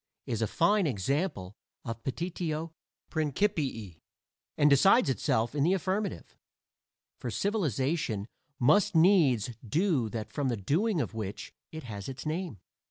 is a fine example of petitio principii, and decides itself in the affirmative; for civilization must needs do that from the doing of which it has its name.